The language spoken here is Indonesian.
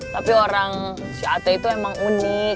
tapi orang si at itu emang unik